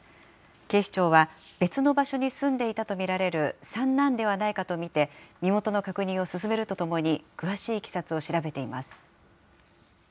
警視庁は、別の場所に住んでいたと見られる三男ではないかと見て、身元の確認を進めるとともに、詳しいいきさつを調べています。